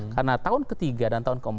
karena tahun ke tiga dan tahun ke empat